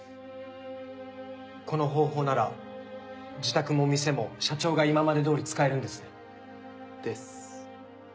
この方法なら自宅も店も社長が今まで通り使えるんですね。です。